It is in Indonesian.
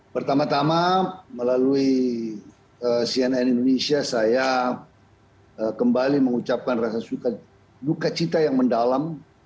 pertama tama melalui cnn indonesia saya kembali mengucapkan rasa duka cita yang mendalam